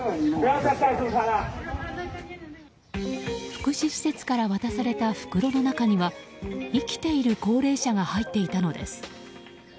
福祉施設から渡された袋の中には生きている高齢者が入っていたのです。